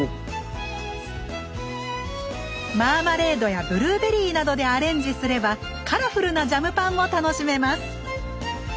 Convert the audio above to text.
マーマレードやブルーベリーなどでアレンジすればカラフルなジャムパンも楽しめます